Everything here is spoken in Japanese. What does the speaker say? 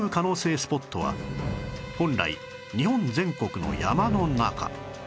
スポットは本来日本全国の山の中